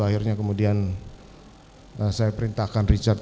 akhirnya kemudian saya perintahkan richard